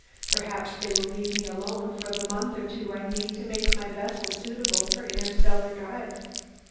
Perhaps they will leave me alone for the month or two more I need to make my vessel suitable for interstellar drive.